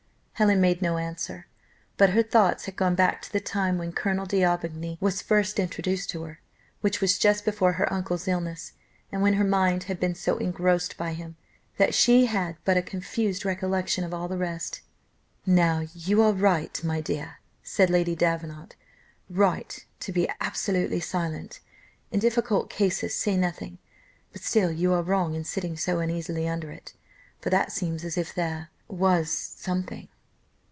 Helen made no answer; her thoughts had gone back to the time when Colonel D'Aubigny was first introduced to her, which was just before her uncle's illness, and when her mind had been so engrossed by him, that she had but a confused recollection of all the rest. "Now you are right, my dear," said Lady Davenant; "right to be absolutely silent. In difficult cases say nothing; but still you are wrong in sitting so uneasily under it, for that seems as if there was something."